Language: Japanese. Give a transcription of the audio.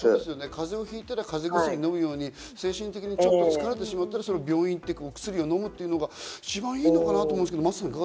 風邪をひいたら風邪薬を飲むように、精神的にちょっと疲れてしまったら病院に行って、お薬を飲むというのが一番いいのかなと思うんですけど、真麻さん。